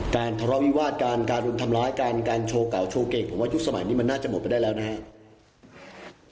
ทะเลาะวิวาสการการรุมทำร้ายการการโชว์เก่าโชว์เก่งผมว่ายุคสมัยนี้มันน่าจะหมดไปได้แล้วนะครับ